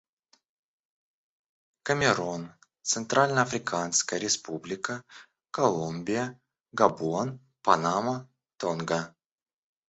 Камерун, Центральноафриканская Республика, Колумбия, Габон, Панама, Тонга.